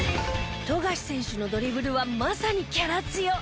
富樫選手のドリブルはまさにキャラ強。